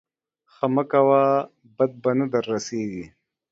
ښه مه کوه بد به نه در رسېږي.